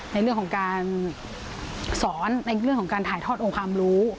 ในเรื่องของการสอนในเรื่องของการถ่ายทอดองค์ความรู้